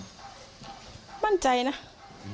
เมื่อวานหลังจากโพดำก็ไม่ได้ออกไปไหน